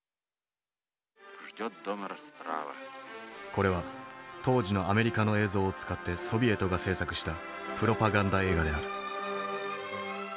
これは当時のアメリカの映像を使ってソビエトが制作したプロパガンダ映画である。